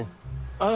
ああ。